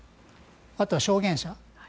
あとは証言者。